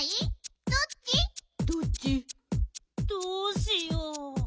どうしよう。